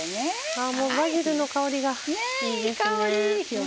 バジルの香りがいいですね。